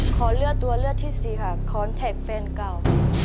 ขอเลือกตัวเลือกที่สี่ค่ะคอนเทคแฟนเก่า